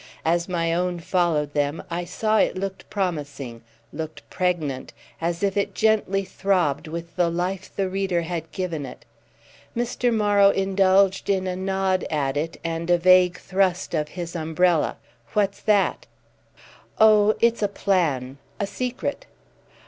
As my own followed them I saw it looked promising, looked pregnant, as if it gently throbbed with the life the reader had given it. Mr. Morrow indulged in a nod at it and a vague thrust of his umbrella. "What's that?" "Oh, it's a plan—a secret."